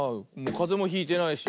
かぜもひいてないし。